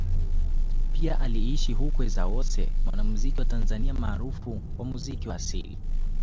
Pia aliishi Hukwe Zawose mwanamuziki wa Tanzania maarufu kwa muziki wa asili